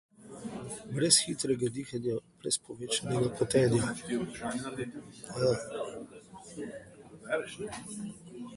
Brez hitrega dihanja, brez povečanega potenja.